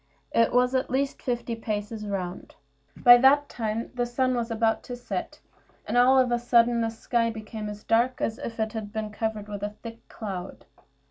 It was at least fifty paces round. By this time the sun was about to set, and all of a sudden the sky became as dark as if it had been covered with a thick cloud.